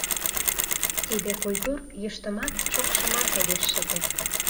Тиде культур йӱштымат, шокшымат огеш чыте.